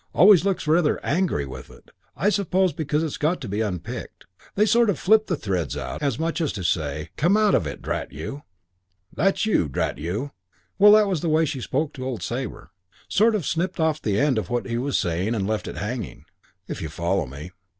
Always looks rather angry with it, I suppose because it's got to be unpicked. They sort of flip the threads out, as much as to say, 'Come out of it, drat you. That's you, drat you.' Well, that was the way she spoke to old Sabre. Sort of snipped off the end of what he was saying and left it hanging, if you follow me.